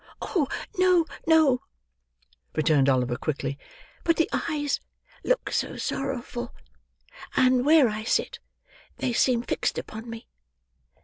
"Oh no, no," returned Oliver quickly; "but the eyes look so sorrowful; and where I sit, they seem fixed upon me.